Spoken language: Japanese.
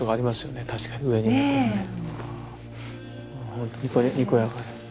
ほんとにこやかで。